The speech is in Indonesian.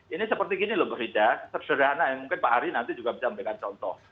ini seperti gini lho berita sederhana ya mungkin pak arie nanti bisa juga sampaikan contoh